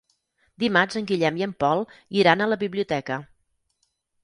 Dimarts en Guillem i en Pol iran a la biblioteca.